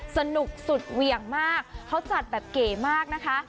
สนุกสุดเหวี่ยงมากเขาจัดแบบเก๋มากนะคะ